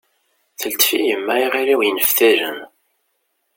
Teltef-iyi yemma iɣil-iw yenneftalen.